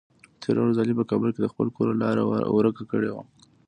تېره ورځ علي په کابل کې د خپل کور لاره ور که کړې وه.